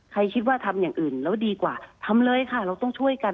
คิดว่าทำอย่างอื่นแล้วดีกว่าทำเลยค่ะเราต้องช่วยกัน